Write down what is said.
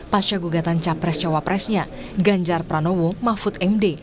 pasca gugatan capres cawapresnya ganjar pranowo mahfud md